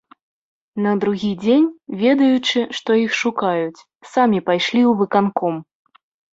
На другі дзень, ведаючы, што іх шукаюць, самі пайшлі ў выканком.